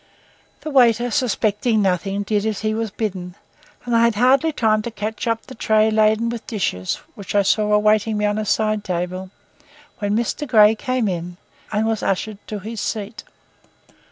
The waiter, suspecting nothing, did as he was bidden, and I had hardly time to catch up the tray laden with dishes, which I saw awaiting me on a side table, when Mr. Grey came in and was ushered to his seat.